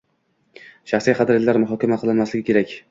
Shaxsiy qadriyatlar muhokama qilinmasligi kerak